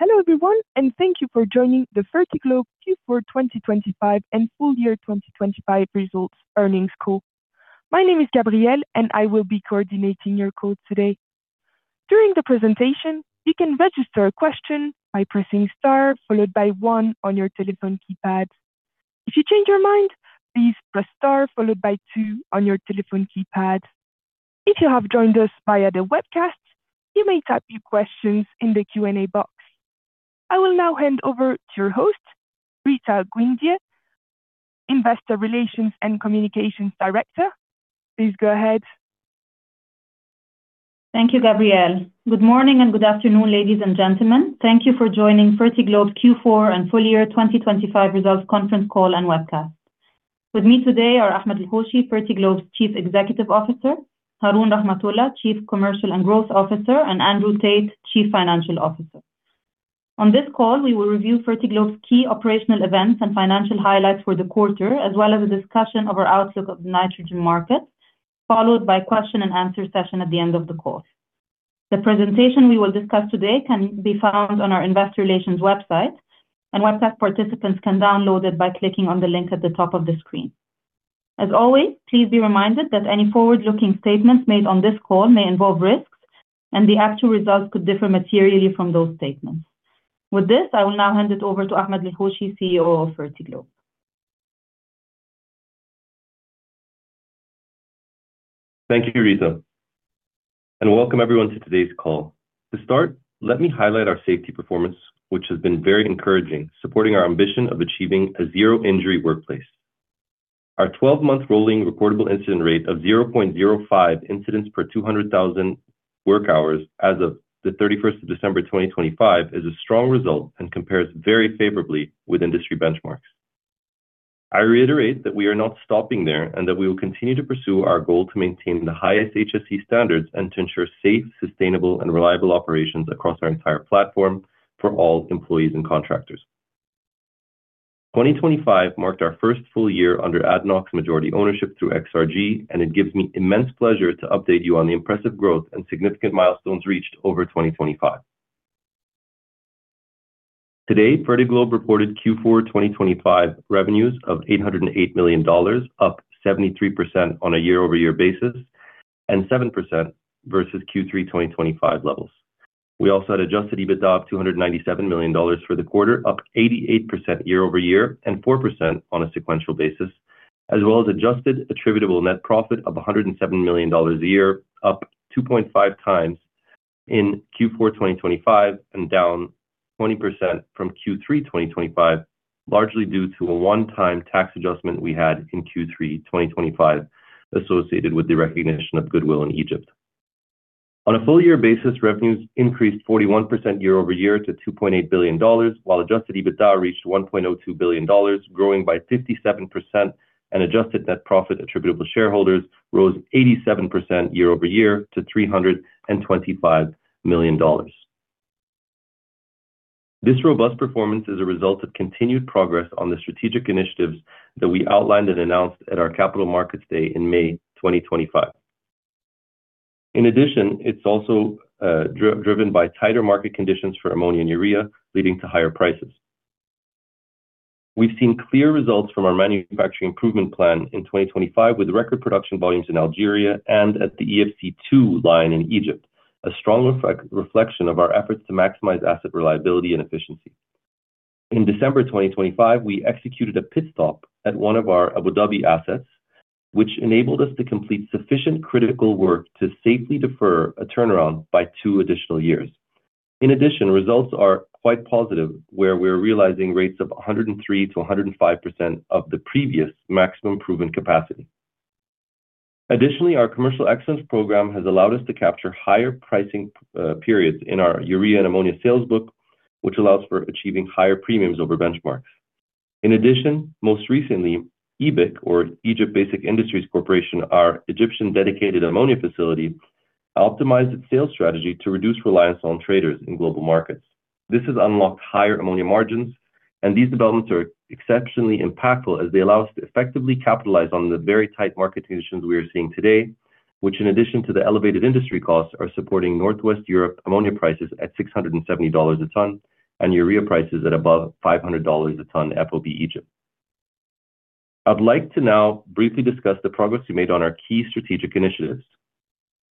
Hello everyone, and thank you for joining the Fertiglobe Q4 2025 and Full-Year 2025 Results Earnings call. My name is Gabrielle, and I will be coordinating your call today. During the presentation, you can register a question by pressing star followed by one on your telephone keypad. If you change your mind, please press star followed by two on your telephone keypad. If you have joined us via the webcast, you may type your questions in the Q&A box. I will now hand over to your host, Rita Guindy, Investor Relations and Communications Director. Please go ahead. Thank you, Gabrielle. Good morning and good afternoon, ladies and gentlemen. Thank you for joining Fertiglobe Q4 and Full-Year 2025 Results Conference Call and Webcast. With me today are Ahmed El-Hoshy, Fertiglobe's Chief Executive Officer, Haroon Rahmathulla, Chief Commercial and Growth Officer, and Andrew Tait, Chief Financial Officer. On this call, we will review Fertiglobe's key operational events and financial highlights for the quarter, as well as a discussion of our outlook of the nitrogen market, followed by a question-and-answer session at the end of the call. The presentation we will discuss today can be found on our Investor Relations website, and webcast participants can download it by clicking on the link at the top of the screen. As always, please be reminded that any forward-looking statements made on this call may involve risks, and the actual results could differ materially from those statements. With this, I will now hand it over to Ahmed El-Hoshy, CEO of Fertiglobe. Thank you, Rita. Welcome everyone to today's call. To start, let me highlight our safety performance, which has been very encouraging, supporting our ambition of achieving a zero-injury workplace. Our 12-month rolling reportable incident rate of 0.05 incidents per 200,000 work hours as of December 31st, 2025 is a strong result and compares very favorably with industry benchmarks. I reiterate that we are not stopping there and that we will continue to pursue our goal to maintain the highest HSE standards and to ensure safe, sustainable, and reliable operations across our entire platform for all employees and contractors. 2025 marked our first full year under ADNOC's majority ownership through XRG, and it gives me immense pleasure to update you on the impressive growth and significant milestones reached over 2025. Today, Fertiglobe reported Q4 2025 revenues of $808 million, up 73% on a year-over-year basis and 7% versus Q3 2025 levels. We also had adjusted EBITDA of $297 million for the quarter, up 88% year-over-year and 4% on a sequential basis, as well as adjusted attributable net profit of $107 million a year, up 2.5x in Q4 2025 and down 20% from Q3 2025, largely due to a one-time tax adjustment we had in Q3 2025 associated with the recognition of goodwill in Egypt. On a full-year basis, revenues increased 41% year-over-year to $2.8 billion, while adjusted EBITDA reached $1.02 billion, growing by 57%, and adjusted net profit attributable shareholders rose 87% year-over-year to $325 million. This robust performance is a result of continued progress on the strategic initiatives that we outlined and announced at our Capital Markets Day in May 2025. In addition, it's also driven by tighter market conditions for ammonia and urea, leading to higher prices. We've seen clear results from our Manufacturing Improvement Plan in 2025 with record production volumes in Algeria and at the EFC2 line in Egypt, a strong reflection of our efforts to maximize asset reliability and efficiency. In December 2025, we executed a pit stop at one of our Abu Dhabi assets, which enabled us to complete sufficient critical work to safely defer a turnaround by two additional years. In addition, results are quite positive, where we're realizing rates of 103%-105% of the previous maximum proven capacity. Additionally, our Commercial Excellence Program has allowed us to capture higher pricing periods in our urea and ammonia salesbook, which allows for achieving higher premiums over benchmarks. In addition, most recently, EBIC, or Egypt Basic Industries Corporation, our Egyptian dedicated ammonia facility, optimized its sales strategy to reduce reliance on traders in global markets. This has unlocked higher ammonia margins, and these developments are exceptionally impactful as they allow us to effectively capitalize on the very tight market conditions we are seeing today, which, in addition to the elevated industry costs, are supporting Northwest Europe ammonia prices at $670 a ton and urea prices at above $500 a ton at FOB Egypt. I'd like to now briefly discuss the progress we made on our key strategic initiatives.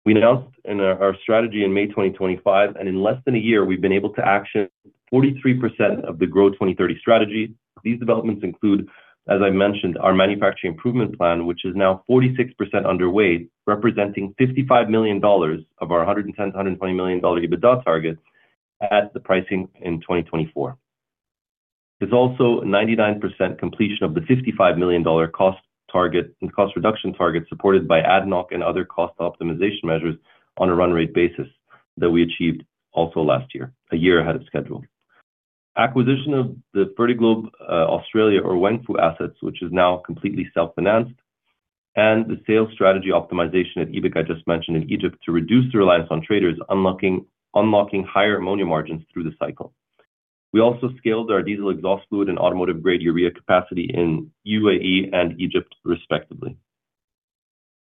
We announced our strategy in May 2025, and in less than a year, we've been able to action 43% of the Grow 2030 strategy. These developments include, as I mentioned, our Manufacturing Improvement Plan, which is now 46% underway, representing $55 million of our $110 million-$120 million EBITDA target at the pricing in 2024. It's also 99% completion of the $55 million cost reduction target supported by ADNOC and other cost optimization measures on a run-rate basis that we achieved also last year, a year ahead of schedule. Acquisition of the Fertiglobe Australia or Wengfu assets, which is now completely self-financed, and the sales strategy optimization at EBIC I just mentioned in Egypt to reduce the reliance on traders, unlocking higher ammonia margins through the cycle. We also scaled our diesel exhaust fluid and automotive-grade urea capacity in UAE and Egypt, respectively.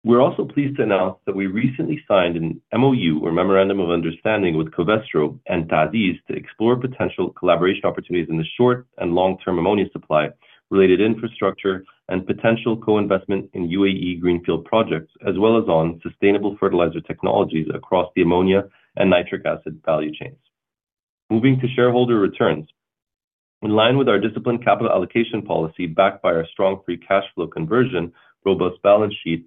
We're also pleased to announce that we recently signed an MOU, or memorandum of understanding, with Covestro and TA’ZIZ to explore potential collaboration opportunities in the short and long-term ammonia supply-related infrastructure and potential co-investment in UAE greenfield projects, as well as on sustainable fertilizer technologies across the ammonia and nitric acid value chains. Moving to shareholder returns, in line with our disciplined capital allocation policy backed by our strong free cash flow conversion, robust balance sheet,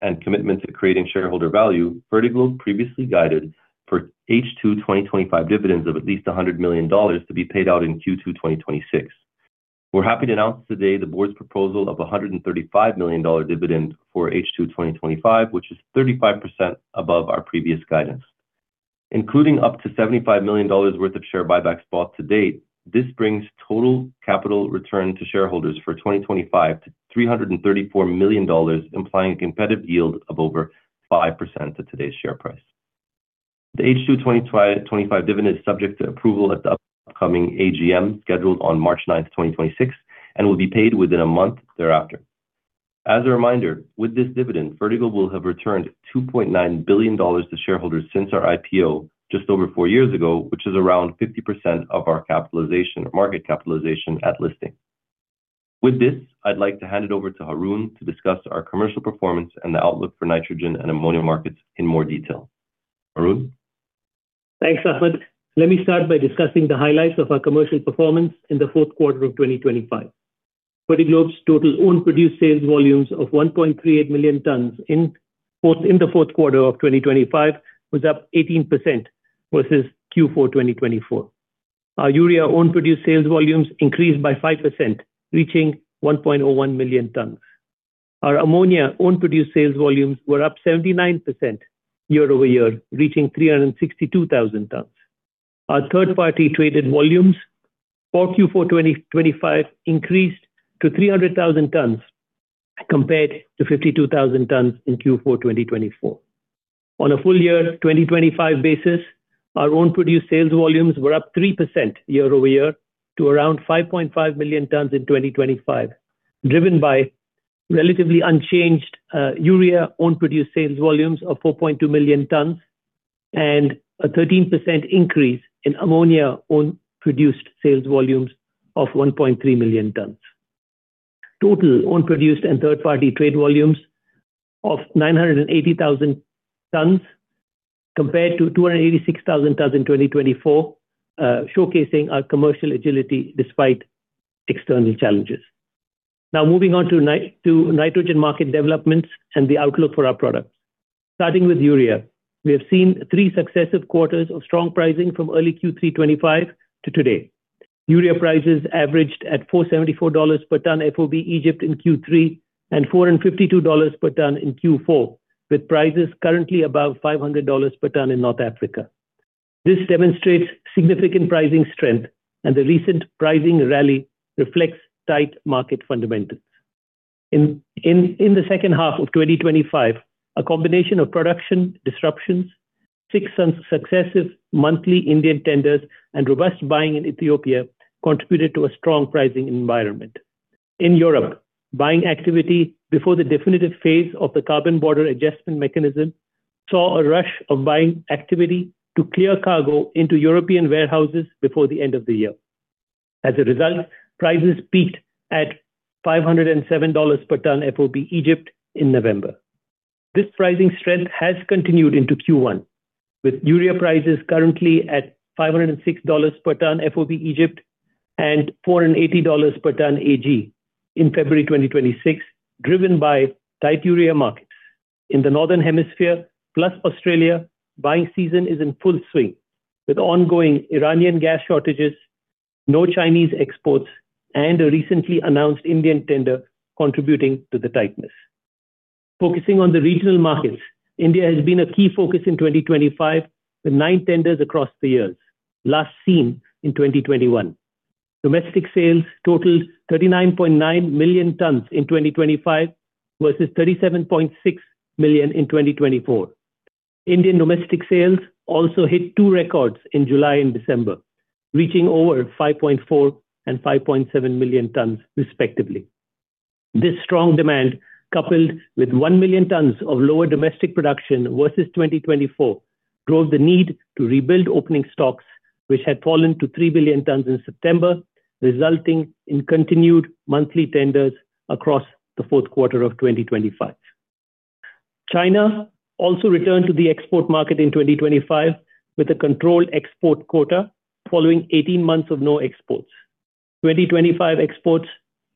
and commitment to creating shareholder value, Fertiglobe previously guided for H2 2025 dividends of at least $100 million to be paid out in Q2 2026. We're happy to announce today the board's proposal of a $135 million dividend for H2 2025, which is 35% above our previous guidance. Including up to $75 million worth of share buybacks bought to date, this brings total capital return to shareholders for 2025 to $334 million, implying a competitive yield of over 5% to today's share price. The H2 2025 dividend is subject to approval at the upcoming AGM scheduled on March 9th, 2026, and will be paid within a month thereafter. As a reminder, with this dividend, Fertiglobe will have returned $2.9 billion to shareholders since our IPO just over four years ago, which is around 50% of our market capitalization at listing. With this, I'd like to hand it over to Haroon to discuss our commercial performance and the outlook for nitrogen and ammonia markets in more detail. Haroon? Thanks, Ahmed. Let me start by discussing the highlights of our commercial performance in the fourth quarter of 2025. Fertiglobe's total owned produced sales volumes of 1.38 million tons in the fourth quarter of 2025 was up 18% versus Q4 2024. Our urea owned produced sales volumes increased by 5%, reaching 1.01 million tons. Our ammonia owned produced sales volumes were up 79% year-over-year, reaching 362,000 tons. Our third-party traded volumes for Q4 2025 increased to 300,000 tons compared to 52,000 tons in Q4 2024. On a full-year 2025 basis, our owned produced sales volumes were up 3% year-over-year to around 5.5 million tons in 2025, driven by relatively unchanged urea owned produced sales volumes of 4.2 million tons and a 13% increase in ammonia owned produced sales volumes of 1.3 million tons. Total owned produced and third-party trade volumes of 980,000 tons compared to 286,000 tons in 2024, showcasing our commercial agility despite external challenges. Now moving on to nitrogen market developments and the outlook for our products. Starting with urea, we have seen three successive quarters of strong pricing from early Q3 2025 to today. Urea prices averaged at $474 per ton FOB Egypt in Q3 and $452 per ton in Q4, with prices currently above $500 per ton in North Africa. This demonstrates significant pricing strength, and the recent pricing rally reflects tight market fundamentals. In the second half of 2025, a combination of production disruptions, six successive monthly Indian tenders, and robust buying in Ethiopia contributed to a strong pricing environment. In Europe, buying activity before the definitive phase of the Carbon Border Adjustment Mechanism saw a rush of buying activity to clear cargo into European warehouses before the end of the year. As a result, prices peaked at $507 per ton FOB Egypt in November. This pricing strength has continued into Q1, with urea prices currently at $506 per ton FOB Egypt and $480 per ton AG in February 2026, driven by tight urea markets. In the northern hemisphere, plus Australia, buying season is in full swing, with ongoing Iranian gas shortages, no Chinese exports, and a recently announced Indian tender contributing to the tightness. Focusing on the regional markets, India has been a key focus in 2025 with nine tenders across the years, last seen in 2021. Domestic sales totaled 39.9 million tons in 2025 versus 37.6 million in 2024. Indian domestic sales also hit two records in July and December, reaching over 5.4 million and 5.7 million tons, respectively. This strong demand, coupled with 1 million tons of lower domestic production versus 2024, drove the need to rebuild opening stocks, which had fallen to 3 million tons in September, resulting in continued monthly tenders across the fourth quarter of 2025. China also returned to the export market in 2025 with a controlled export quota following 18 months of no exports. 2025 exports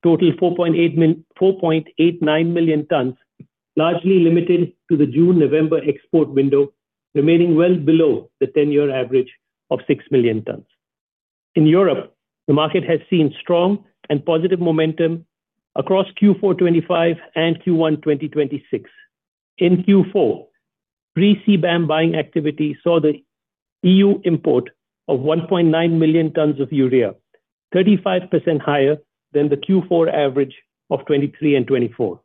totaled 4.89 million tons, largely limited to the June-November export window, remaining well below the 10-year average of 6 million tons. In Europe, the market has seen strong and positive momentum across Q4 2025 and Q1 2026. In Q4, pre-CBAM buying activity saw the EU import of 1.9 million tons of urea, 35% higher than the Q4 average of 2023 and 2024.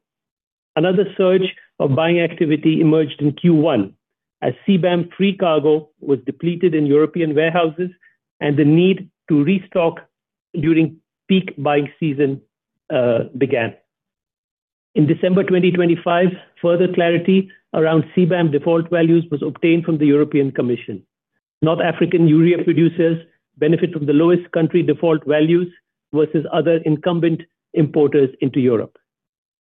Another surge of buying activity emerged in Q1 as CBAM free cargo was depleted in European warehouses and the need to restock during peak buying season began. In December 2025, further clarity around CBAM default values was obtained from the European Commission. North African urea producers benefit from the lowest country default values versus other incumbent importers into Europe.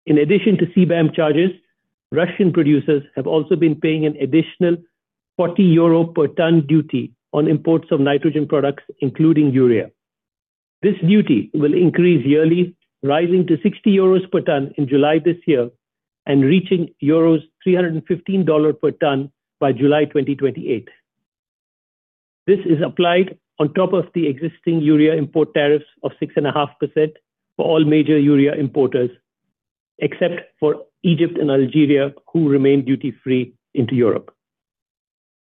In addition to CBAM charges, Russian producers have also been paying an additional 40 euro per ton duty on imports of nitrogen products, including urea. This duty will increase yearly, rising to 60 euros per ton in July this year and reaching euros 315 per ton by July 2028. This is applied on top of the existing urea import tariffs of 6.5% for all major urea importers, except for Egypt and Algeria, who remain duty-free into Europe.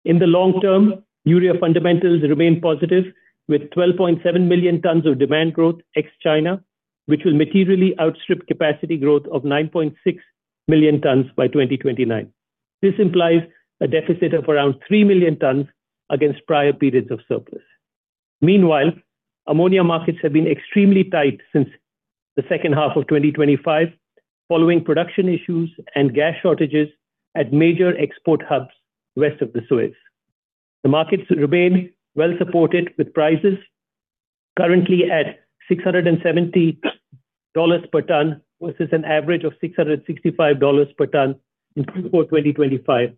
In the long term, urea fundamentals remain positive, with 12.7 million tons of demand growth ex-China, which will materially outstrip capacity growth of 9.6 million tons by 2029. This implies a deficit of around 3 million tons against prior periods of surplus. Meanwhile, ammonia markets have been extremely tight since the second half of 2025, following production issues and gas shortages at major export hubs west of the Suez. The markets remain well supported, with prices currently at $670 per ton versus an average of $665 per ton in Q4 2025,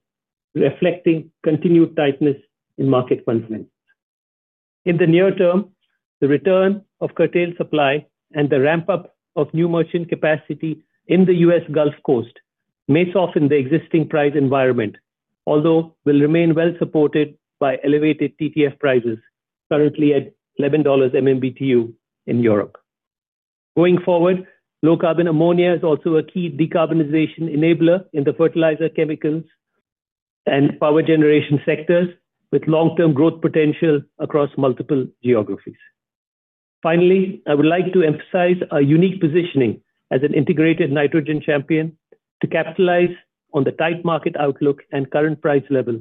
reflecting continued tightness in market fundamentals. In the near term, the return of curtailed supply and the ramp-up of new merchant capacity in the U.S. Gulf Coast may soften the existing price environment, although will remain well supported by elevated TTF prices, currently at $11/MMBtu in Europe. Going forward, low-carbon ammonia is also a key decarbonization enabler in the fertilizer chemicals and power generation sectors, with long-term growth potential across multiple geographies. Finally, I would like to emphasize our unique positioning as an integrated nitrogen champion to capitalize on the tight market outlook and current price level,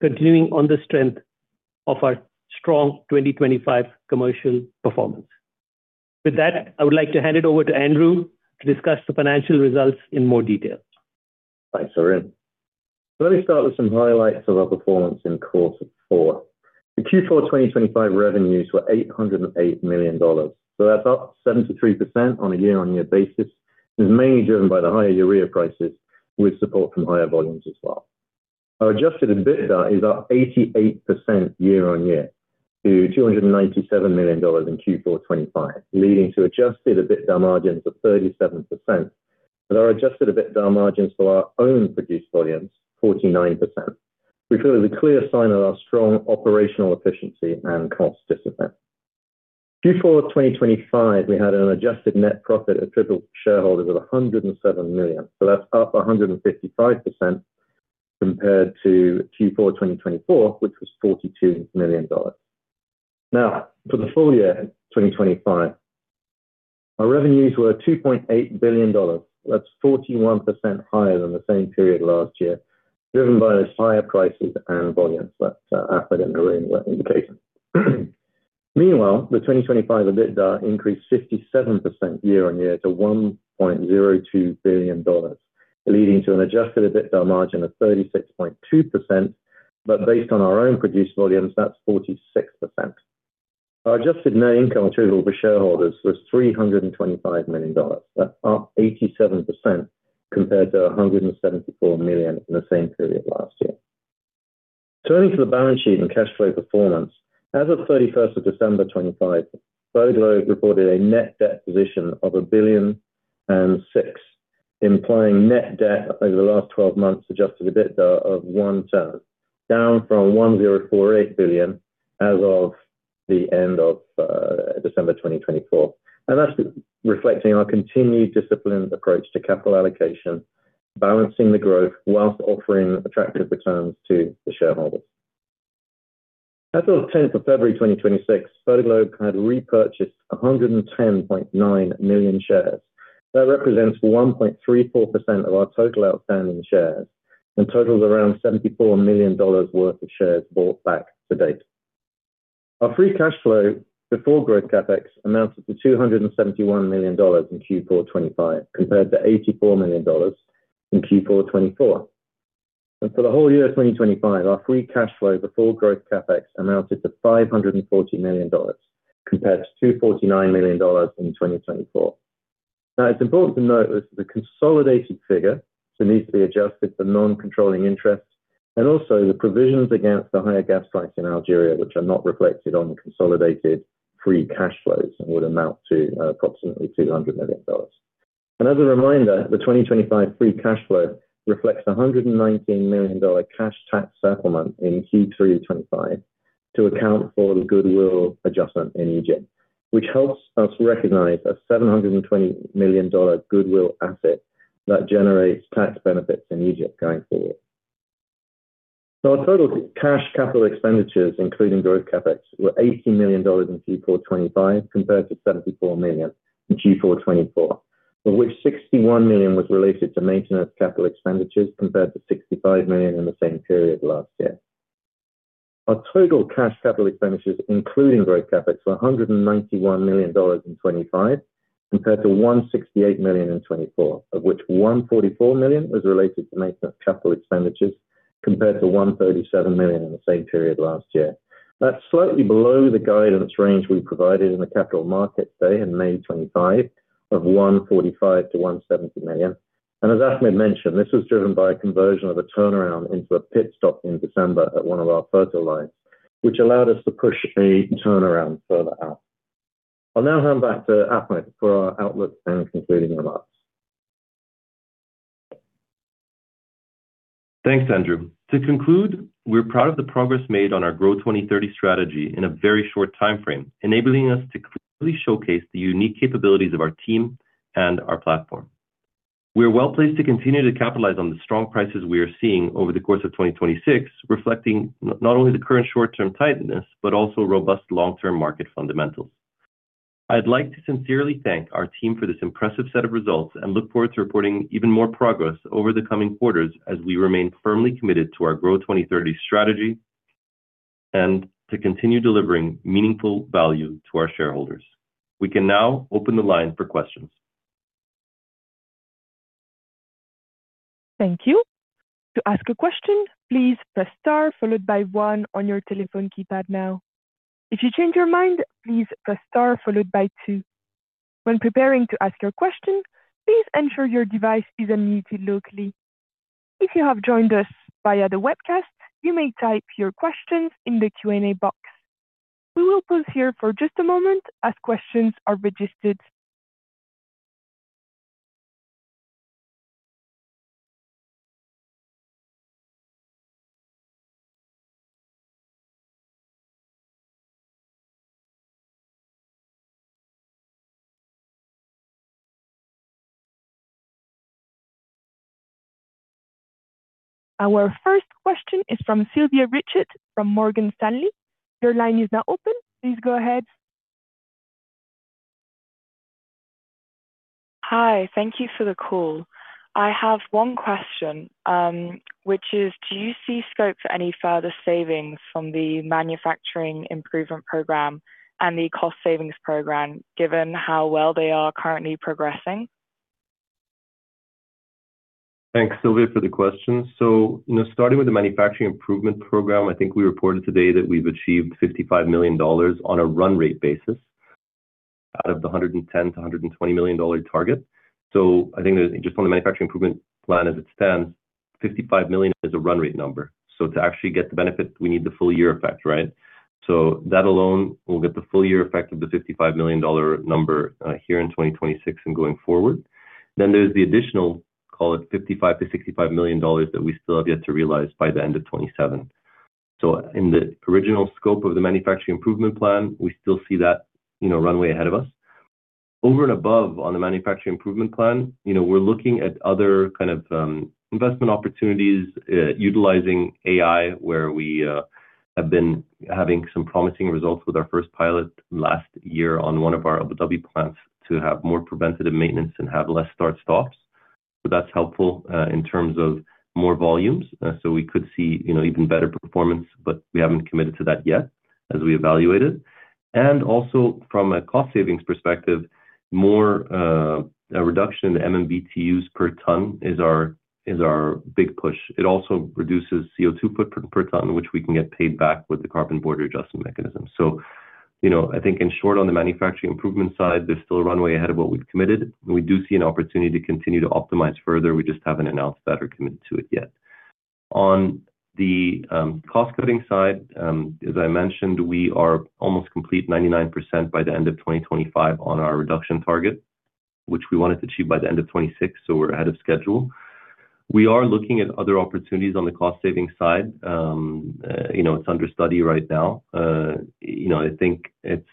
continuing on the strength of our strong 2025 commercial performance. With that, I would like to hand it over to Andrew to discuss the financial results in more detail. Thanks, Haroon. So let me start with some highlights of our performance in quarter four. The Q4 2025 revenues were $808 million, so that's up 73% on a year-on-year basis. This is mainly driven by the higher urea prices, with support from higher volumes as well. Our adjusted EBITDA is up 88% year-on-year to $297 million in Q4 2025, leading to adjusted EBITDA margins of 37%. But our adjusted EBITDA margins for our own produced volumes, 49%, we feel is a clear sign of our strong operational efficiency and cost discipline. Q4 2025, we had an adjusted net profit of triple shareholders of $107 million, so that's up 155% compared to Q4 2024, which was $42 million. Now, for the full-year 2025, our revenues were $2.8 billion. That's 41% higher than the same period last year, driven by those higher prices and volumes that Ahmed and Haroon were indicating. Meanwhile, the 2025 EBITDA increased 57% year-on-year to $1.02 billion, leading to an adjusted EBITDA margin of 36.2%. But based on our own produced volumes, that's 46%. Our adjusted net income total for shareholders was $325 million. That's up 87% compared to $174 million in the same period last year. Turning to the balance sheet and cash flow performance, as of 31st of December 2025, Fertiglobe reported a net debt position of $1.06 billion, implying net debt over the last 12 months adjusted EBITDA of one times, down from $1.048 billion as of the end of December 2024. That's reflecting our continued disciplined approach to capital allocation, balancing the growth while offering attractive returns to the shareholders. As of 10th of February 2026, Fertiglobe had repurchased 110.9 million shares. That represents 1.34% of our total outstanding shares and totals around $74 million worth of shares bought back to date. Our free cash flow before growth CapEx amounted to $271 million in Q4 2025, compared to $84 million in Q4 2024. And for the whole year 2025, our free cash flow before growth CapEx amounted to $540 million, compared to $249 million in 2024. Now, it's important to note this is a consolidated figure, so it needs to be adjusted for non-controlling interest and also the provisions against the higher gas price in Algeria, which are not reflected on the consolidated free cash flows and would amount to approximately $200 million. And as a reminder, the 2025 free cash flow reflects a $119 million cash tax settlement in Q3 2025 to account for the goodwill adjustment in Egypt, which helps us recognize a $720 million goodwill asset that generates tax benefits in Egypt going forward. Our total cash capital expenditures, including growth CapEx, were $18 million in Q4 2025, compared to $74 million in Q4 2024, of which $61 million was related to maintenance capital expenditures, compared to $65 million in the same period last year. Our total cash capital expenditures, including growth CapEx, were $191 million in 2025, compared to $168 million in 2024, of which $144 million was related to maintenance capital expenditures, compared to $137 million in the same period last year. That's slightly below the guidance range we provided in the Capital Markets Day in May 2025 of $145 million-$170 million. As Ahmed mentioned, this was driven by a conversion of a turnaround into a pit stop in December at one of our FERTIL lines, which allowed us to push a turnaround further out. I'll now hand back to Ahmed for our outlook and concluding remarks. Thanks, Andrew. To conclude, we're proud of the progress made on our Grow 2030 strategy in a very short time frame, enabling us to clearly showcase the unique capabilities of our team and our platform. We're well placed to continue to capitalize on the strong prices we are seeing over the course of 2026, reflecting not only the current short-term tightness but also robust long-term market fundamentals. I'd like to sincerely thank our team for this impressive set of results and look forward to reporting even more progress over the coming quarters as we remain firmly committed to our Grow 2030 Strategy and to continue delivering meaningful value to our shareholders. We can now open the line for questions. Thank you. To ask a question, please press star followed by one on your telephone keypad now. If you change your mind, please press star followed by two. When preparing to ask your question, please ensure your device is unmuted locally. If you have joined us via the webcast, you may type your questions in the Q&A box. We will pause here for just a moment as questions are registered. Our first question is from Sylvia Richards from Morgan Stanley. Your line is now open. Please go ahead. Hi. Thank you for the call. I have one question, which is, do you see scope for any further savings from the Manufacturing Improvement Program and the Cost Savings Program, given how well they are currently progressing? Thanks, Sylvia, for the question. So starting with the Manufacturing Improvement Program, I think we reported today that we've achieved $55 million on a run-rate basis out of the $110 million-$120 million target. So I think just on the Manufacturing Improvement Plan as it stands, $55 million is a run-rate number. So to actually get the benefit, we need the full-year effect, right? So that alone, we'll get the full-year effect of the $55 million number here in 2026 and going forward. Then there's the additional, call it, $55 million-$65 million that we still have yet to realize by the end of 2027. So in the original scope of the Manufacturing Improvement Plan, we still see that runway ahead of us. Over and above on the Manufacturing Improvement Plan, we're looking at other kind of investment opportunities utilizing AI, where we have been having some promising results with our first pilot last year on one of our Abu Dhabi plants to have more preventative maintenance and have less start-stops. So that's helpful in terms of more volumes. So we could see even better performance, but we haven't committed to that yet as we evaluated. And also, from a cost savings perspective, a reduction in the MMBtu per ton is our big push. It also reduces CO2 footprint per ton, which we can get paid back with the Carbon Border Adjustment Mechanism. So I think in short, on the Manufacturing Improvement side, there's still a runway ahead of what we've committed. We do see an opportunity to continue to optimize further. We just haven't announced that or committed to it yet. On the cost-cutting side, as I mentioned, we are almost complete, 99% by the end of 2025, on our reduction target, which we wanted to achieve by the end of 2026. So we're ahead of schedule. We are looking at other opportunities on the cost savings side. It's under study right now. I think it's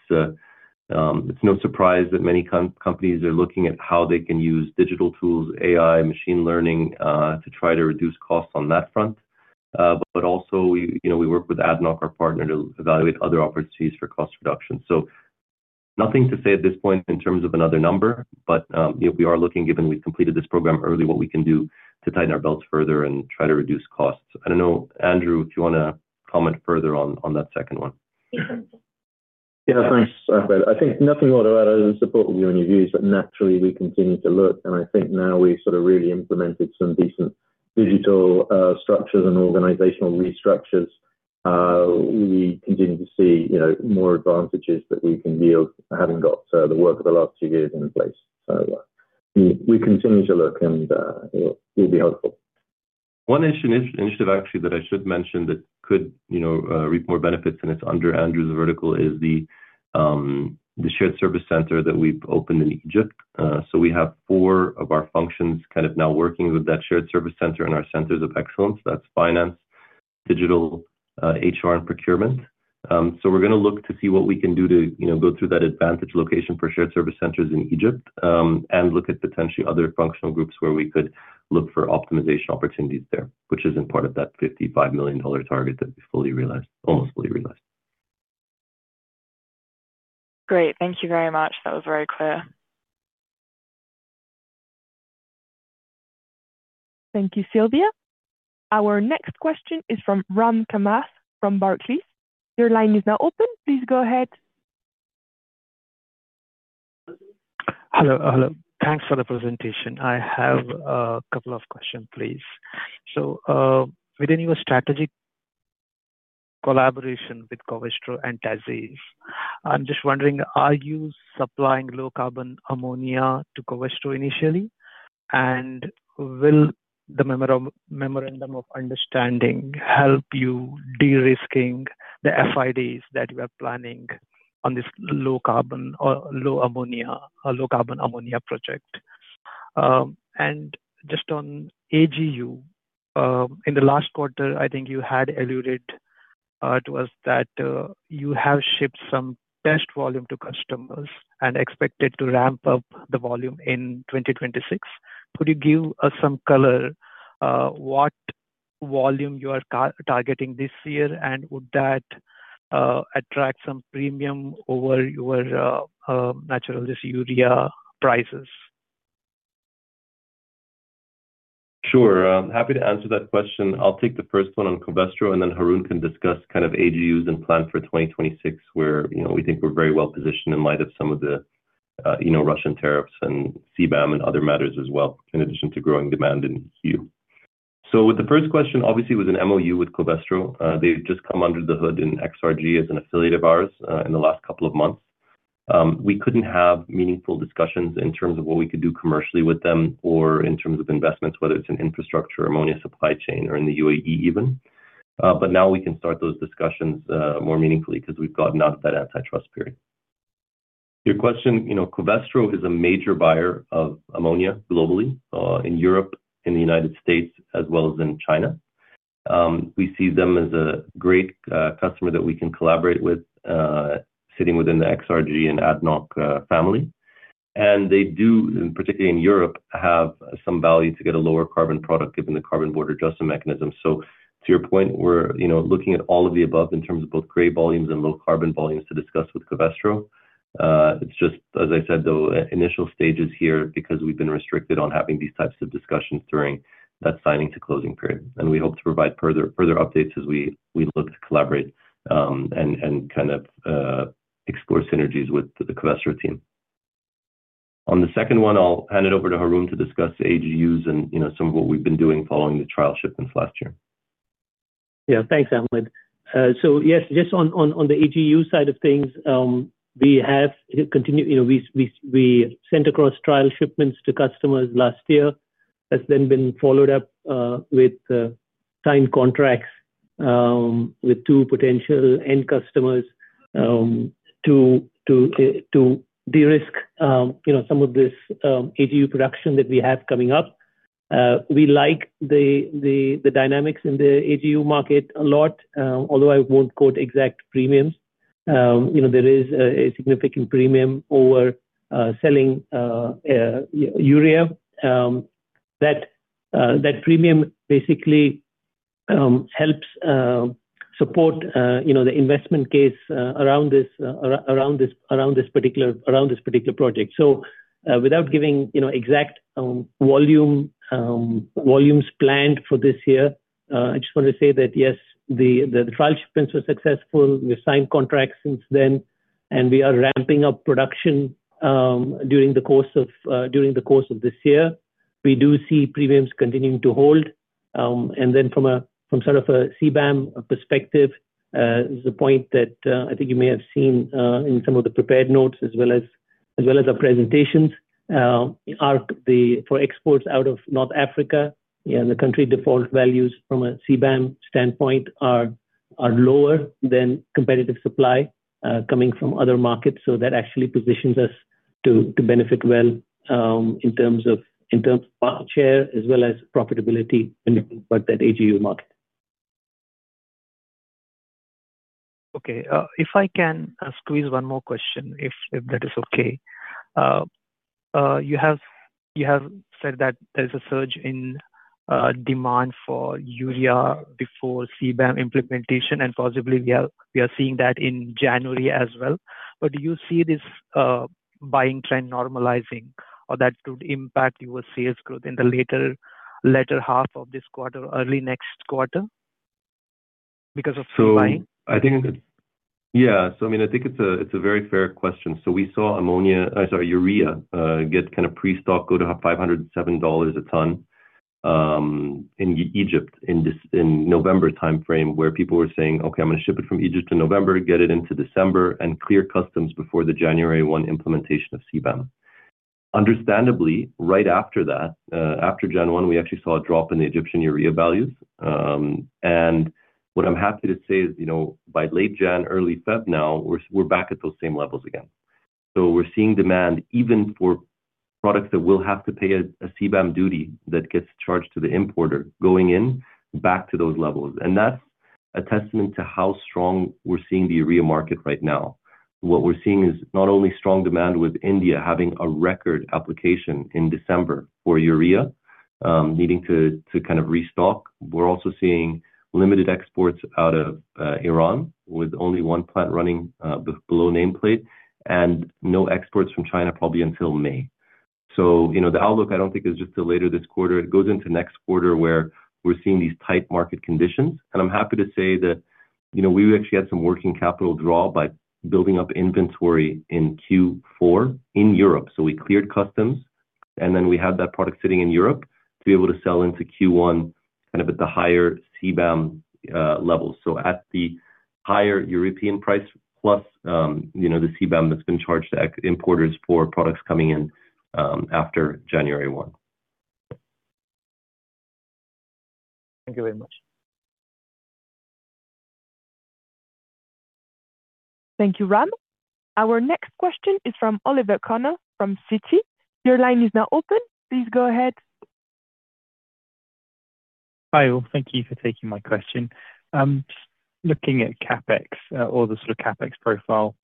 no surprise that many companies are looking at how they can use digital tools, AI, machine learning to try to reduce costs on that front. But also, we work with ADNOC, our partner, to evaluate other opportunities for cost reduction. So nothing to say at this point in terms of another number, but we are looking, given we've completed this program early, what we can do to tighten our belts further and try to reduce costs. I don't know, Andrew, if you want to comment further on that second one. Yeah, thanks, Ahmed. I think nothing more to add other than supporting you and your views. But naturally, we continue to look. I think now we've sort of really implemented some decent digital structures and organizational restructures. We continue to see more advantages that we can yield having got the work of the last two years in place. So we continue to look, and it will be helpful. One initiative, actually, that I should mention that could reap more benefits, and it's under Andrew's vertical, is the shared service center that we've opened in Egypt. So we have four of our functions kind of now working with that shared service center and our centers of excellence. That's Finance, Digital, HR, and Procurement. So we're going to look to see what we can do to go through that advantage location for shared service centers in Egypt and look at potentially other functional groups where we could look for optimization opportunities there, which isn't part of that $55 million target that we fully realized, almost fully realized. Great. Thank you very much. That was very clear. Thank you, Silvia. Our next question is from Ram Kamath from Barclays. Your line is now open. Please go ahead. Hello. Hello. Thanks for the presentation. I have a couple of questions, please. So within your strategic collaboration with Covestro and TA’ZIZ, I'm just wondering, are you supplying low-carbon ammonia to Covestro initially? And will the memorandum of understanding help you de-risking the FIDs that you are planning on this low-carbon ammonia project? And just on AGU, in the last quarter, I think you had alluded to us that you have shipped some test volume to customers and expected to ramp up the volume in 2026. Could you give us some color what volume you are targeting this year, and would that attract some premium over your natural urea prices? Sure. Happy to answer that question. I'll take the first one on Covestro, and then Haroon can discuss kind of AGUs and plan for 2026, where we think we're very well positioned in light of some of the Russian tariffs and CBAM and other matters as well, in addition to growing demand in EU. So with the first question, obviously, it was an MOU with Covestro. They've just come under the hood in XRG as an affiliate of ours in the last couple of months. We couldn't have meaningful discussions in terms of what we could do commercially with them or in terms of investments, whether it's in infrastructure, ammonia supply chain, or in the UAE even. But now we can start those discussions more meaningfully because we've gotten out of that antitrust period. Your question, Covestro is a major buyer of ammonia globally, in Europe, in the United States, as well as in China. We see them as a great customer that we can collaborate with, sitting within the XRG and ADNOC family. And they do, particularly in Europe, have some value to get a lower carbon product given the Carbon Border Adjustment Mechanism. So to your point, we're looking at all of the above in terms of both gray volumes and low-carbon volumes to discuss with Covestro. It's just, as I said, though, initial stages here because we've been restricted on having these types of discussions during that signing to closing period. And we hope to provide further updates as we look to collaborate and kind of explore synergies with the Covestro team. On the second one, I'll hand it over to Haroon to discuss AGUs and some of what we've been doing following the trial shipments last year. Yeah. Thanks, Ahmed. So yes, just on the AGU side of things, we have continued. We sent across trial shipments to customers last year. That's then been followed up with signed contracts with two potential end customers to de-risk some of this AGU production that we have coming up. We like the dynamics in the AGU market a lot, although I won't quote exact premiums. There is a significant premium over selling urea. That premium basically helps support the investment case around this particular project. So without giving exact volumes planned for this year, I just want to say that, yes, the trial shipments were successful. We've signed contracts since then, and we are ramping up production during the course of this year. We do see premiums continuing to hold. And then from sort of a CBAM perspective, there's a point that I think you may have seen in some of the prepared notes as well as our presentations. For exports out of North Africa, the country default values from a CBAM standpoint are lower than competitive supply coming from other markets. So that actually positions us to benefit well in terms of market share as well as profitability when you look at that AGU market. Okay. If I can squeeze one more question, if that is okay. You have said that there is a surge in demand for urea before CBAM implementation, and possibly we are seeing that in January as well. But do you see this buying trend normalizing, or that could impact your sales growth in the later half of this quarter, early next quarter because of buying? So I think it's yeah. So I mean, I think it's a very fair question. So we saw ammonia, I'm sorry, urea, get kind of pre-stocked, go to $507 a ton in Egypt in November time frame, where people were saying, "Okay, I'm going to ship it from Egypt in November, get it into December, and clear customs before the January 1 implementation of CBAM." Understandably, right after that, after January 1, we actually saw a drop in the Egyptian urea values. And what I'm happy to say is by late January, early February now, we're back at those same levels again. So we're seeing demand even for products that will have to pay a CBAM duty that gets charged to the importer going in back to those levels. And that's a testament to how strong we're seeing the urea market right now. What we're seeing is not only strong demand with India having a record application in December for urea needing to kind of restock. We're also seeing limited exports out of Iran with only one plant running below nameplate and no exports from China probably until May. So the outlook, I don't think, is just till later this quarter. It goes into next quarter where we're seeing these tight market conditions. I'm happy to say that we actually had some working capital draw by building up inventory in Q4 in Europe. So we cleared customs, and then we had that product sitting in Europe to be able to sell into Q1 kind of at the higher CBAM levels. So at the higher European price plus the CBAM that's been charged to importers for products coming in after January 1. Thank you very much. Thank you, Ram. Our next question is from Oliver Connor from Citi. Your line is now open. Please go ahead. Hi. Well, thank you for taking my question. Just looking at CapEx or the sort of CapEx profile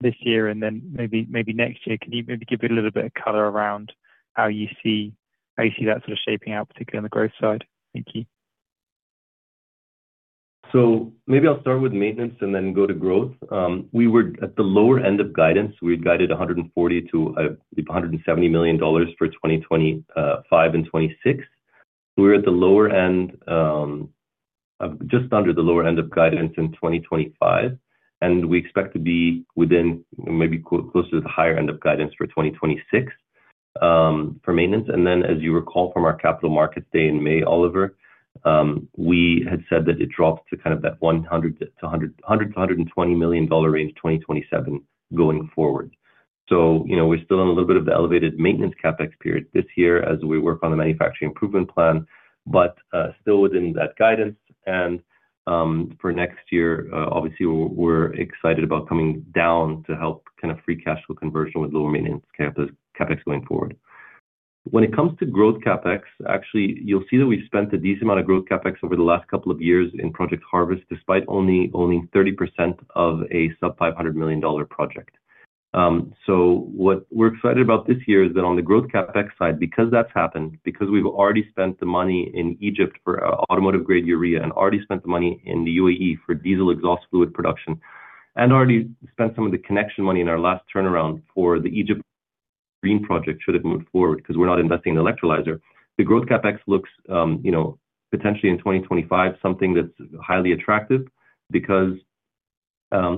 this year and then maybe next year, can you maybe give it a little bit of color around how you see that sort of shaping out, particularly on the growth side? Thank you. Maybe I'll start with maintenance and then go to growth. We were at the lower end of guidance. We had guided $140 million-$170 million for 2025 and 2026. We were at the lower end of just under the lower end of guidance in 2025. We expect to be within maybe closer to the higher end of guidance for 2026 for maintenance. As you recall from our Capital Markets Day in May, Oliver, we had said that it dropped to kind of that $100 million-$120 million range 2027 going forward. We're still in a little bit of the elevated maintenance CapEx period this year as we work on the Manufacturing Improvement Plan, but still within that guidance. For next year, obviously, we're excited about coming down to help kind of free cash flow conversion with lower maintenance CapEx going forward. When it comes to growth CapEx, actually, you'll see that we've spent a decent amount of growth CapEx over the last couple of years in Project Harvest, despite only owning 30% of a sub-$500 million project. So what we're excited about this year is that on the growth CapEx side, because that's happened, because we've already spent the money in Egypt for automotive-grade urea and already spent the money in the UAE for diesel exhaust fluid production and already spent some of the connection money in our last turnaround for the Egypt Green project, should it move forward because we're not investing in electrolyzer, the growth CapEx looks potentially in 2025 something that's highly attractive because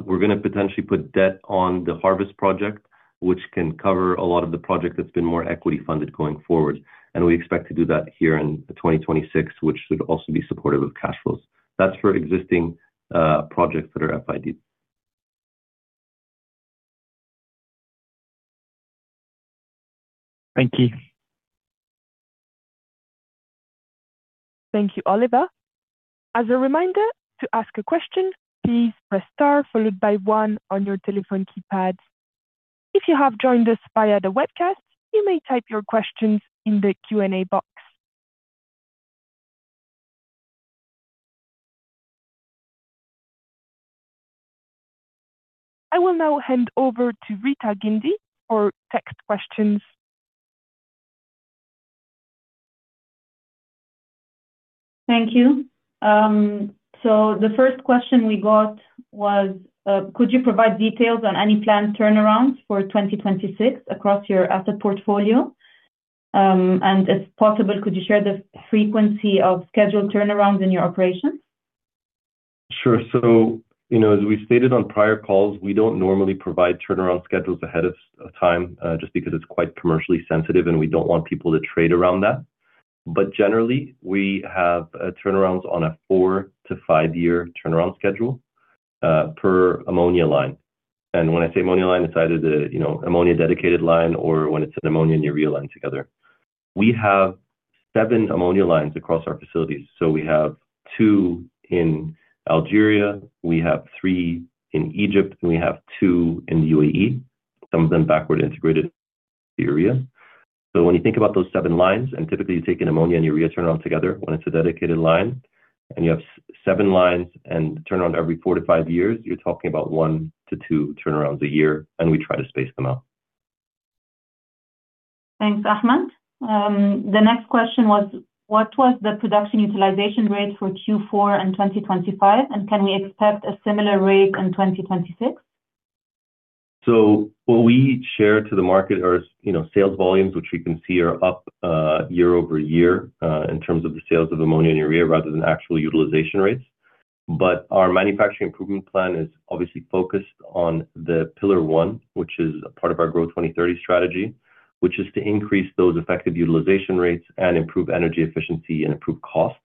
we're going to potentially put debt on the Project Harvest, which can cover a lot of the project that's been more equity-funded going forward. We expect to do that here in 2026, which should also be supportive of cash flows. That's for existing projects that are FIDs. Thank you. Thank you, Oliver. As a reminder, to ask a question, please press star followed by one on your telephone keypad. If you have joined us via the webcast, you may type your questions in the Q&A box. I will now hand over to Rita Guindy for text questions. Thank you. So the first question we got was, could you provide details on any planned turnarounds for 2026 across your asset portfolio? And if possible, could you share the frequency of scheduled turnarounds in your operations? Sure. So as we stated on prior calls, we don't normally provide turnaround schedules ahead of time just because it's quite commercially sensitive, and we don't want people to trade around that. But generally, we have turnarounds on a four- to five-year turnaround schedule per ammonia line. And when I say ammonia line, it's either the ammonia dedicated line or when it's an ammonia and urea line together. We have 7 ammonia lines across our facilities. So we have two in Algeria, we have three in Egypt, and we have two in the UAE, some of them backward integrated urea. So when you think about those seven lines and typically, you take an ammonia and urea turnaround together when it's a dedicated line, and you have seven lines and turnaround every four to five years, you're talking about one to two turnarounds a year, and we try to space them out. Thanks, Ahmed. The next question was, what was the production utilization rate for Q4 and 2025, and can we expect a similar rate in 2026? So what we share to the market are sales volumes, which you can see are up year-over-year in terms of the sales of ammonia and urea rather than actual utilization rates. But our Manufacturing Improvement Plan is obviously focused on the pillar one, which is a part of our Growth 2030 strategy, which is to increase those effective utilization rates and improve energy efficiency and improve costs.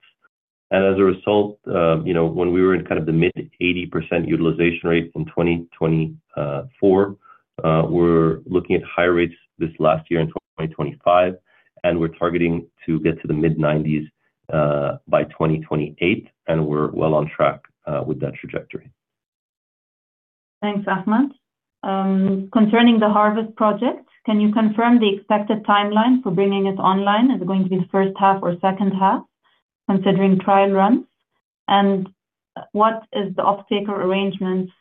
And as a result, when we were in kind of the mid-80% utilization rate in 2024, we're looking at higher rates this last year in 2025, and we're targeting to get to the mid-90%s by 2028. And we're well on track with that trajectory. Thanks, Ahmed. Concerning the Project Harvest, can you confirm the expected timeline for bringing it online? Is it going to be the first half or second half considering trial runs? And what is the off-take arrangements,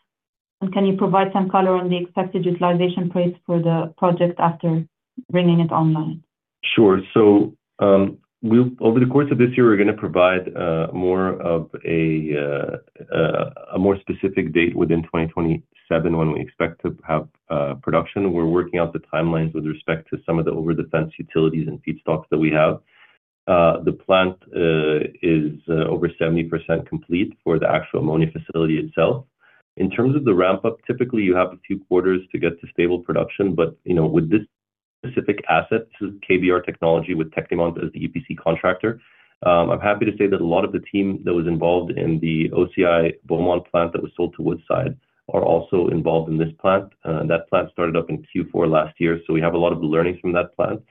and can you provide some color on the expected utilization price for the project after bringing it online? Sure. So over the course of this year, we're going to provide more of a more specific date within 2027 when we expect to have production. We're working out the timelines with respect to some of the over-the-fence utilities and feedstocks that we have. The plant is over 70% complete for the actual ammonia facility itself. In terms of the ramp-up, typically, you have a few quarters to get to stable production. But with this specific asset, this is KBR Technology with Tecnimont as the EPC contractor. I'm happy to say that a lot of the team that was involved in the OCI Beaumont plant that was sold to Woodside are also involved in this plant. That plant started up in Q4 last year. So we have a lot of learnings from that plant.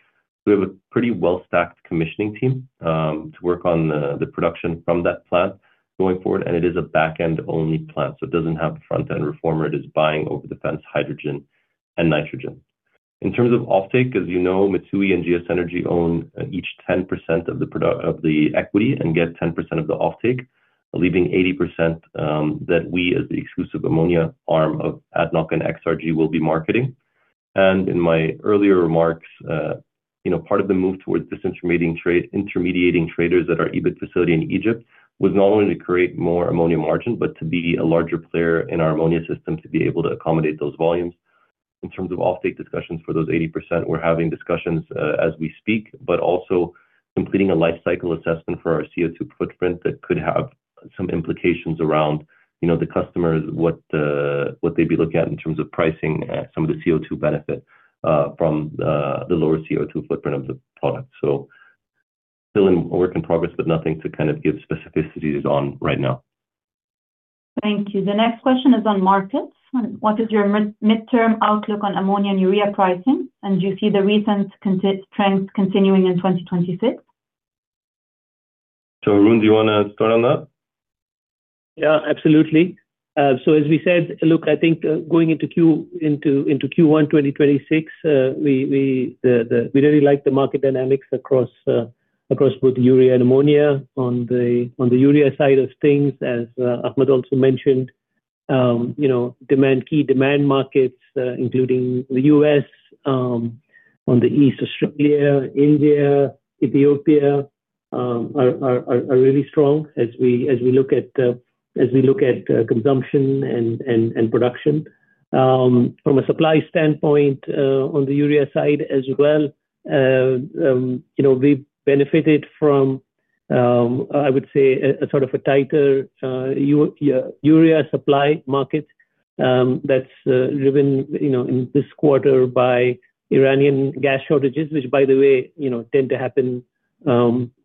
We have a pretty well-stacked commissioning team to work on the production from that plant going forward. It is a back-end-only plant, so it doesn't have a front-end reformer. It is buying over-the-fence hydrogen and nitrogen. In terms of offtake, as you know, Mitsui and GS Energy own each 10% of the equity and get 10% of the offtake, leaving 80% that we, as the exclusive ammonia arm of ADNOC and XRG, will be marketing. In my earlier remarks, part of the move towards disintermediating traders that are EBIC facility in Egypt was not only to create more ammonia margin but to be a larger player in our ammonia system to be able to accommodate those volumes. In terms of offtake discussions for those 80%, we're having discussions as we speak but also completing a lifecycle assessment for our CO2 footprint that could have some implications around the customers, what they'd be looking at in terms of pricing, some of the CO2 benefit from the lower CO2 footprint of the product. So still a work in progress, but nothing to kind of give specificities on right now. Thank you. The next question is on markets. What is your midterm outlook on ammonia and urea pricing, and do you see the recent trends continuing in 2026? Haroon, do you want to start on that? Yeah, absolutely. So as we said, look, I think going into Q1 2026, we really like the market dynamics across both urea and ammonia. On the urea side of things, as Ahmed also mentioned, key demand markets, including the U.S., on the East, Australia, India, Ethiopia, are really strong as we look at consumption and production. From a supply standpoint, on the urea side as well, we've benefited from, I would say, a sort of a tighter urea supply market that's driven in this quarter by Iranian gas shortages, which, by the way, tend to happen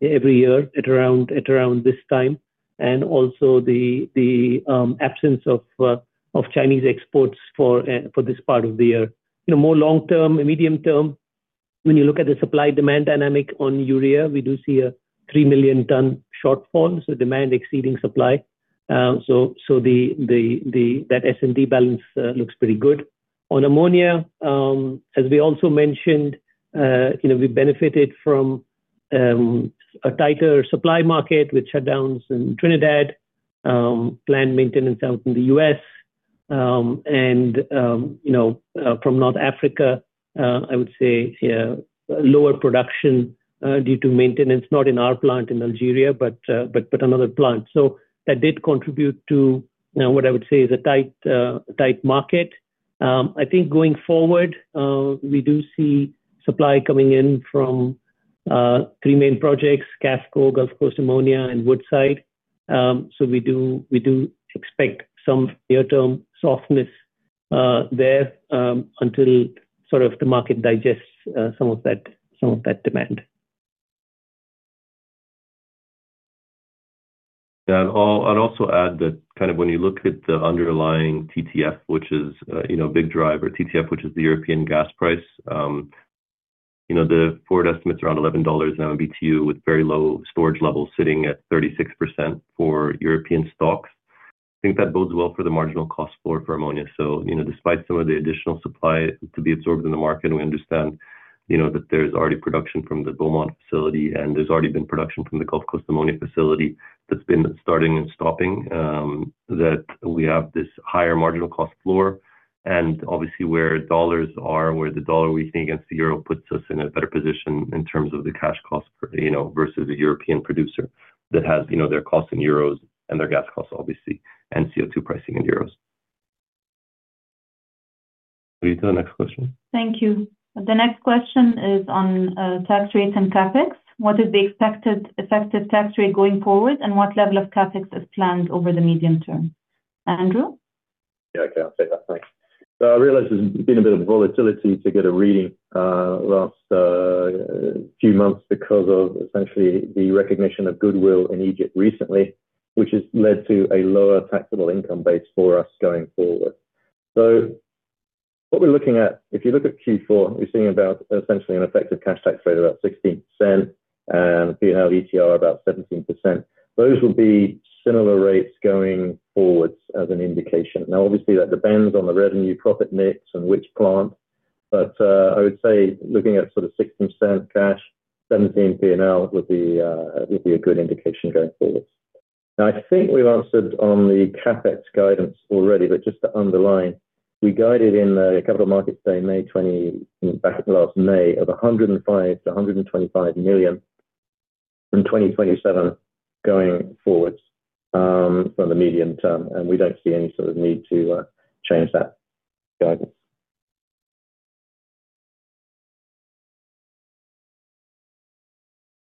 every year at around this time, and also the absence of Chinese exports for this part of the year. More long-term and medium-term, when you look at the supply-demand dynamic on urea, we do see a 3 million-ton shortfall, so demand exceeding supply. So that S&D balance looks pretty good. On ammonia, as we also mentioned, we benefited from a tighter supply market with shutdowns in Trinidad plant maintenance out in the U.S., and from North Africa, I would say, lower production due to maintenance, not in our plant in Algeria but another plant. So that did contribute to what I would say is a tight market. I think going forward, we do see supply coming in from three main projects: QAFCO, Gulf Coast Ammonia, and Woodside. So we do expect some near-term softness there until sort of the market digests some of that demand. Yeah. I'd also add that kind of when you look at the underlying TTF, which is a big driver, TTF, which is the European gas price, the forward estimate's around $11 MMBtu with very low storage levels sitting at 36% for European stocks. I think that bodes well for the marginal cost floor for ammonia. So despite some of the additional supply to be absorbed in the market, we understand that there's already production from the Beaumont facility, and there's already been production from the Gulf Coast Ammonia facility that's been starting and stopping, that we have this higher marginal cost floor. And obviously, where dollars are, where the dollar weakening against the euro puts us in a better position in terms of the cash cost versus a European producer that has their costs in euros and their gas costs, obviously, and CO2 pricing in euros. Are you to the next question? Thank you. The next question is on tax rates and CapEx. What is the expected effective tax rate going forward, and what level of CapEx is planned over the medium term? Andrew? Yeah, I can say that. Thanks. So I realize there's been a bit of volatility to get a reading last few months because of, essentially, the recognition of goodwill in Egypt recently, which has led to a lower taxable income base for us going forward. So what we're looking at, if you look at Q4, you're seeing about, essentially, an effective cash tax rate of about 16% and P&L ETR about 17%. Those will be similar rates going forwards as an indication. Now, obviously, that depends on the revenue-profit mix and which plant. But I would say looking at sort of 16% cash, 17% P&L would be a good indication going forwards. Now, I think we've answered on the CapEx guidance already, but just to underline, we guided in the Capital Markets Day back in last May of $105 million-$125 million from 2027 going forwards for the medium term. We don't see any sort of need to change that guidance.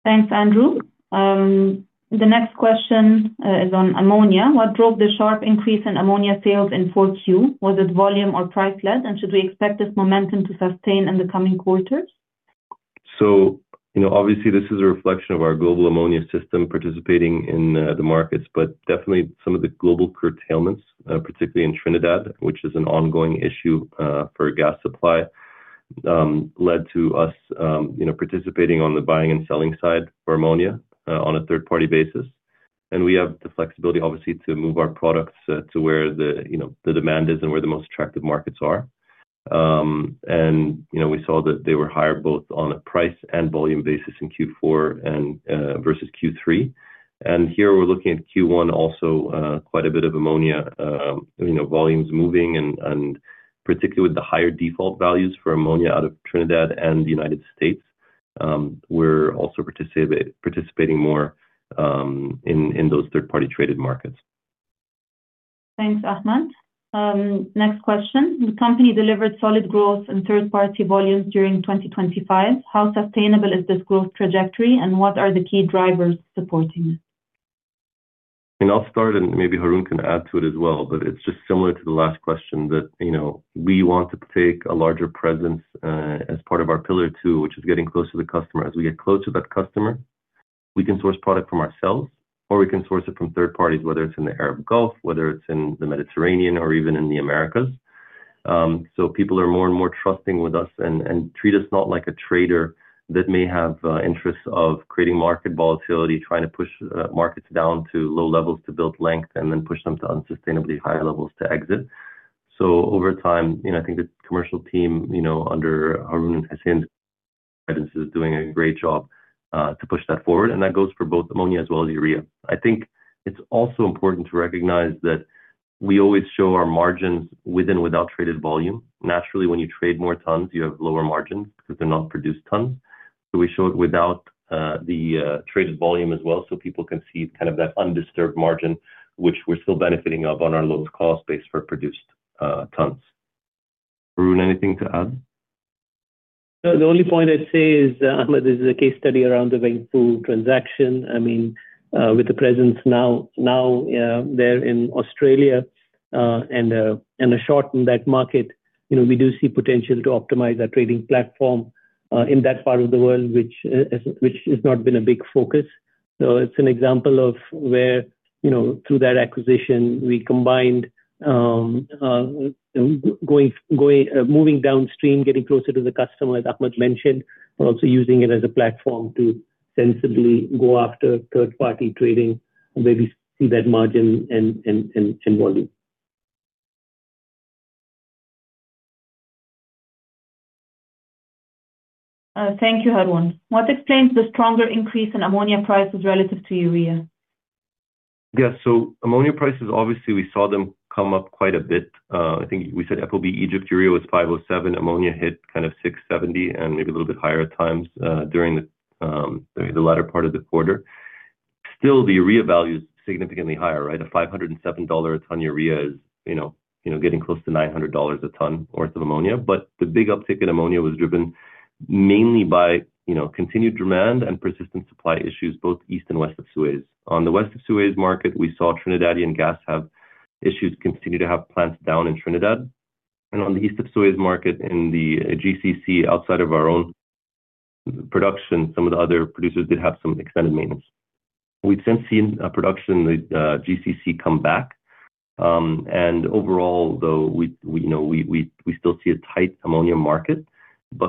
Thanks, Andrew. The next question is on ammonia. What drove the sharp increase in ammonia sales in 4Q? Was it volume or price-led, and should we expect this momentum to sustain in the coming quarters? So obviously, this is a reflection of our global ammonia system participating in the markets. But definitely, some of the global curtailments, particularly in Trinidad, which is an ongoing issue for gas supply, led to us participating on the buying and selling side for ammonia on a third-party basis. And we have the flexibility, obviously, to move our products to where the demand is and where the most attractive markets are. And we saw that they were higher both on a price and volume basis in Q4 versus Q3. And here, we're looking at Q1, also quite a bit of ammonia volumes moving, and particularly with the higher default values for ammonia out of Trinidad and the United States. We're also participating more in those third-party traded markets. Thanks, Ahmed. Next question. The company delivered solid growth in third-party volumes during 2025. How sustainable is this growth trajectory, and what are the key drivers supporting it? I'll start, and maybe Haroon can add to it as well, but it's just similar to the last question that we want to take a larger presence as part of our pillar two, which is getting close to the customer. As we get closer to that customer, we can source product from ourselves, or we can source it from third parties, whether it's in the Arab Gulf, whether it's in the Mediterranean, or even in the Americas. So people are more and more trusting with us and treat us not like a trader that may have interests of creating market volatility, trying to push markets down to low levels to build length, and then push them to unsustainably high levels to exit. So over time, I think the commercial team under Haroon and Hussein's guidance is doing a great job to push that forward. And that goes for both ammonia as well as urea. I think it's also important to recognize that we always show our margins with and without traded volume. Naturally, when you trade more tons, you have lower margins because they're not produced tons. So we show it without the traded volume as well so people can see kind of that undisturbed margin, which we're still benefiting of on our lowest cost base for produced tons. Haroon, anything to add? The only point I'd say is, Ahmed, is the case study around the Wengfu transaction. I mean, with the presence now there in Australia and a short in that market, we do see potential to optimize our trading platform in that part of the world, which has not been a big focus. So it's an example of where, through that acquisition, we combined moving downstream, getting closer to the customer, as Ahmed mentioned, but also using it as a platform to sensibly go after third-party trading where we see that margin and volume. Thank you, Haroon. What explains the stronger increase in ammonia prices relative to urea? Yeah. So ammonia prices, obviously, we saw them come up quite a bit. I think we said FOB Egypt urea was $507. Ammonia hit kind of $670 and maybe a little bit higher at times during the latter part of the quarter. Still, the urea value is significantly higher, right? A $507 a ton urea is getting close to $900 a ton worth of ammonia. But the big uptick in ammonia was driven mainly by continued demand and persistent supply issues, both east and west of Suez. On the west of Suez market, we saw Trinidadian gas have issues continue to have plants down in Trinidad. And on the east of Suez market in the GCC outside of our own production, some of the other producers did have some extended maintenance. We've since seen production in the GCC come back. And overall, though, we still see a tight ammonia market.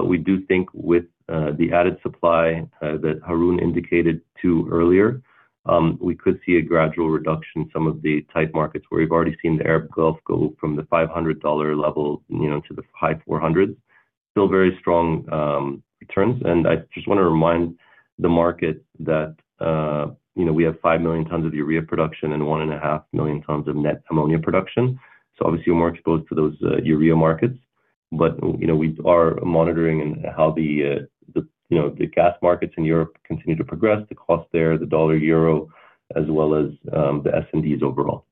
We do think with the added supply that Haroon indicated too earlier, we could see a gradual reduction in some of the tight markets where we've already seen the Arab Gulf go from the $500 level to the high-$400s. Still very strong returns. I just want to remind the market that we have 5 million tons of urea production and 1.5 million tons of net ammonia production. So obviously, we're more exposed to those urea markets. But we are monitoring how the gas markets in Europe continue to progress, the cost there, the dollar-euro as well as the S&Ds overall.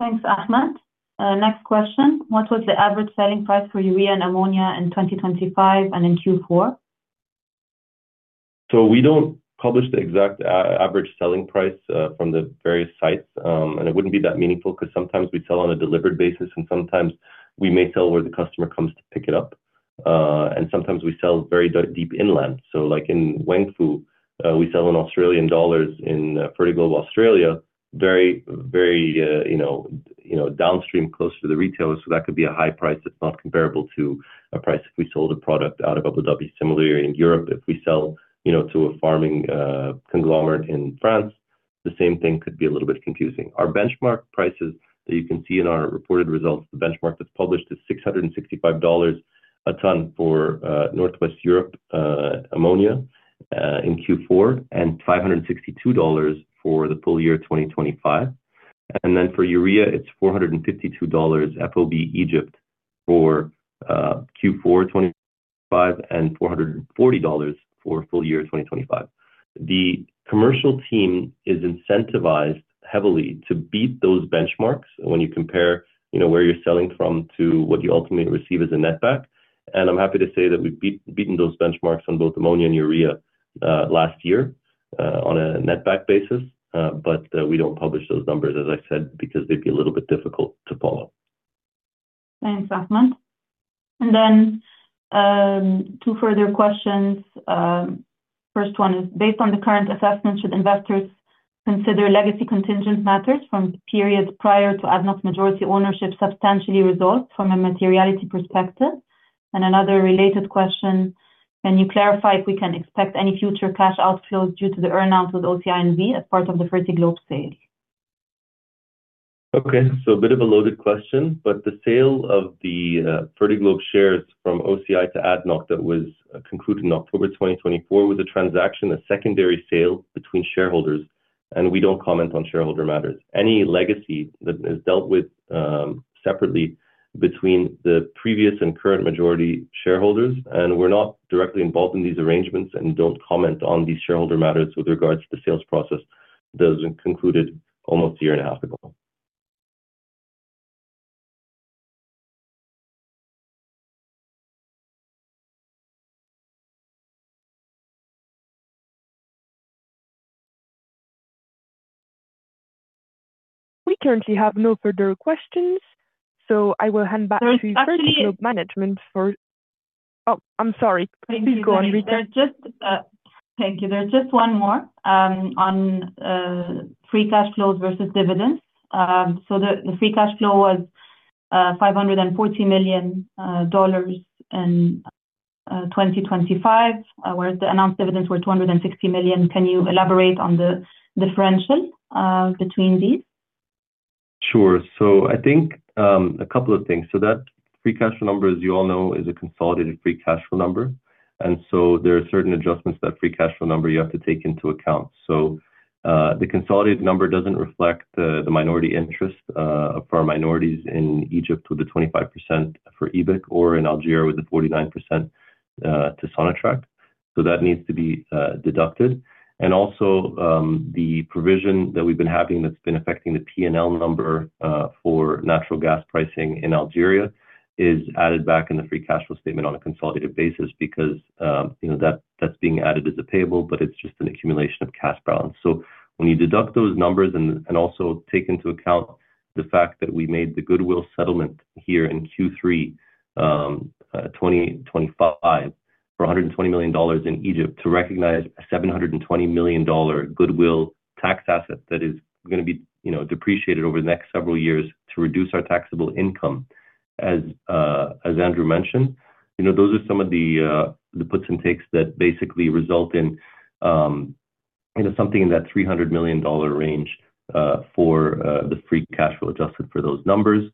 Thanks, Ahmed. Next question. What was the average selling price for urea and ammonia in 2025 and in Q4? So we don't publish the exact average selling price from the various sites. And it wouldn't be that meaningful because sometimes we sell on a delivered basis, and sometimes we may sell where the customer comes to pick it up. And sometimes we sell very deep inland. So in Wengfu, we sell in Australian dollars in Fertiglobe Australia, very, very downstream close to the retailers. So that could be a high price that's not comparable to a price if we sold a product out of Abu Dhabi. Similarly, in Europe, if we sell to a farming conglomerate in France, the same thing could be a little bit confusing. Our benchmark prices that you can see in our reported results, the benchmark that's published is $665 a ton for Northwest Europe ammonia in Q4 and $562 for the full-year 2025. Then for urea, it's $452 FOB Egypt for Q4 2025 and $440 for full-year 2025. The commercial team is incentivized heavily to beat those benchmarks when you compare where you're selling from to what you ultimately receive as a netback. And I'm happy to say that we've beaten those benchmarks on both ammonia and urea last year on a netback basis. But we don't publish those numbers, as I said, because they'd be a little bit difficult to follow. Thanks, Ahmed. And then two further questions. First one is, based on the current assessment, should investors consider legacy contingent matters from periods prior to ADNOC majority ownership substantially resolved from a materiality perspective? And another related question, can you clarify if we can expect any future cash outflows due to the earnout with OCI and ADNOC as part of the Fertiglobe sale? Okay. So a bit of a loaded question. But the sale of the Fertiglobe shares from OCI to ADNOC that was concluded in October 2024 was a transaction, a secondary sale between shareholders. And we don't comment on shareholder matters. Any legacy that is dealt with separately between the previous and current majority shareholders. And we're not directly involved in these arrangements and don't comment on these shareholder matters with regards to the sales process that was concluded almost a year and a half ago. We currently have no further questions. So I will hand back to Fertiglobe management for oh, I'm sorry. Please go on, Rita. Thank you. There's just one more on free cash flows versus dividends. So the free cash flow was $540 million in 2025, whereas the announced dividends were $260 million. Can you elaborate on the differential between these? Sure. So I think a couple of things. So that free cash flow number, as you all know, is a consolidated free cash flow number. And so there are certain adjustments to that free cash flow number you have to take into account. So the consolidated number doesn't reflect the minority interest for our minorities in Egypt with the 25% for EBIC or in Algeria with the 49% to Sonatrach. So that needs to be deducted. And also, the provision that we've been having that's been affecting the P&L number for natural gas pricing in Algeria is added back in the free cash flow statement on a consolidated basis because that's being added as a payable, but it's just an accumulation of cash balance. So when you deduct those numbers and also take into account the fact that we made the goodwill settlement here in Q3 2025 for $120 million in Egypt to recognize a $720 million goodwill tax asset that is going to be depreciated over the next several years to reduce our taxable income, as Andrew mentioned, those are some of the puts and takes that basically result in something in that $300 million range for the free cash flow adjusted for those numbers.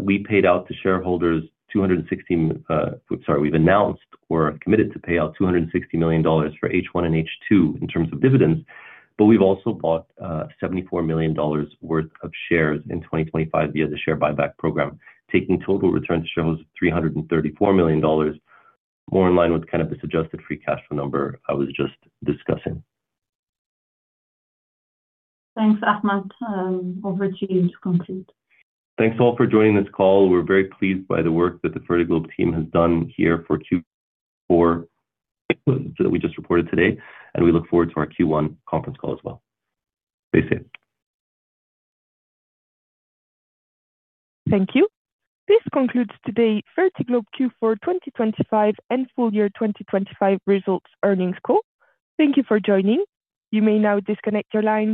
We paid out to shareholders, sorry, we've announced or committed to pay out $260 million for H1 and H2 in terms of dividends. But we've also bought $74 million worth of shares in 2025 via the share buyback program, taking total return to shareholders of $334 million, more in line with kind of this adjusted free cash flow number I was just discussing. Thanks, Ahmed. Over to you to conclude. Thanks all for joining this call. We're very pleased by the work that the Fertiglobe team has done here for Q4 that we just reported today. We look forward to our Q1 conference call as well. Stay safe. Thank you. This concludes today's Fertiglobe Q4 2025 and Full-Year 2025 Results Earnings Call. Thank you for joining. You may now disconnect your line.